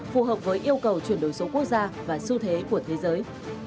phù hợp với yêu cầu chuyển đổi số quốc gia và xu thế của thế giới